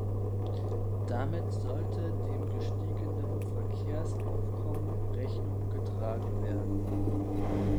Damit sollte dem gestiegenen Verkehrsaufkommen Rechnung getragen werden.